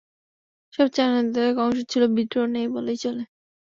সবচেয়ে আনন্দদায়ক অংশ ছিল, বিদ্রোহ নেই বললেই চলে!